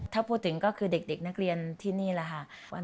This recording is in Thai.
ถ้าพูดถึงก็คือเด็กนักเรียนที่นี่แหละค่ะ